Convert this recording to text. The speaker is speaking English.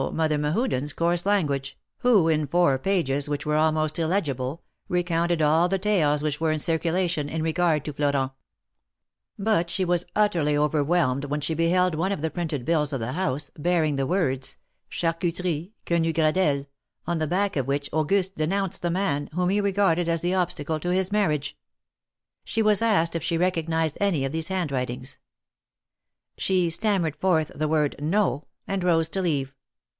Mother Mehuden's coarse language, who, in four pages which were almost illegible, recounted all the tales which were in circulation in regard to Florent. THE MARKETS OP PARIS. 277 But she was utterly overwhelmed when she beheld one of the printed bills of the house, bearing the words: Charcuterie Quenu Gradelle,^' on the back of which Auguste denounced the man, whom he regarded as the obstacle to his marriage. She was asked if she recognized any of these hand writings. She stammered forth the word, No," and rose to leave.